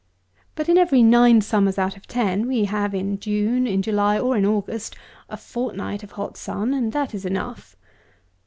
But, in every nine summers out of ten, we have in June, in July, or in August, a fortnight of hot sun, and that is enough.